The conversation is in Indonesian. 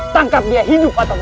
tangkap dia hidup atau